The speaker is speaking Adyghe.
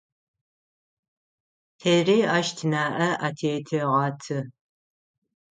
Тэри ащ тынаӏэ атетэгъэты.